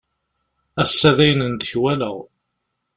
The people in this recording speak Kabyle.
Ass-a dayen ndeklaweɣ.